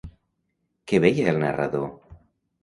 Què veia el narrador?